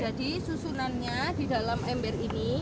jadi susunannya di dalam ember ini